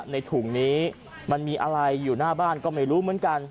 ในถุงนี้มันมีอะไรอยู่หน้าบ้านก็ไม่รู้เหมือนกัน